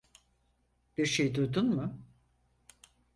Birşey duydun mu?